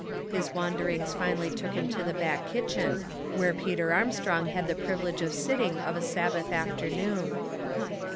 His wanderings finally took him to the back kitchen, where Pe ter Armstrong had the privilege of sitting of a Sabbath afternoon.